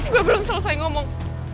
gue belum selesai ngomong